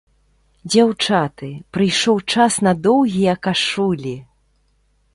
Дзяўчаты, прыйшоў час на доўгія кашулі!